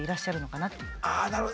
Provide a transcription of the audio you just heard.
なるほど。